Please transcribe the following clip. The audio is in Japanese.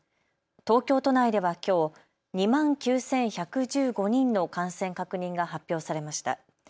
東京都内ではきょう２万９１１５人の感染確認が発表されました。